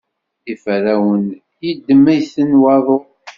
Iferrawen yeddem-ten waḍu.